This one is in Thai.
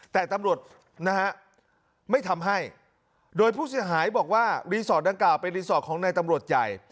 แต่ตำรวจนะฮะไม่ทำให้โดยผู้เสียหายบอกว่ารีสอร์ทดังกล่าเป็นรีสอร์ทของนายตำรวจใหญ่